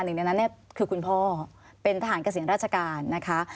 หนึ่งในนั้นเนี่ยคือคุณพ่อเป็นทหารเกษียณราชการนะคะ